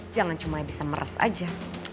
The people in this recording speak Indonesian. jangan cuma bisa meres aja